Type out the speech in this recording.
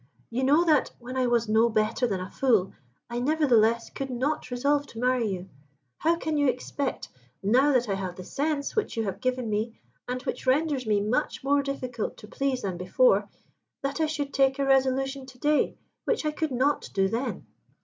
You know that, when I was no better than a fool, I nevertheless could not resolve to marry you how can you expect, now that I have the sense which you have given me, and which renders me much more difficult to please than before, that I should take a resolution to day which I could not do then?